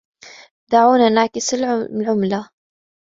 دعونا نعكس العملة.